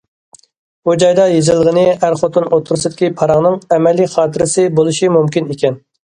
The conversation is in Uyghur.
بۇ جايدا يېزىلغىنى ئەر- خوتۇن ئوتتۇرىسىدىكى پاراڭنىڭ ئەمەلىي خاتىرىسى بولۇشى مۇمكىن ئىكەن.